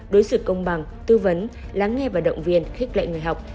đối xử công bằng tư vấn lắng nghe và động viên khích lệ người học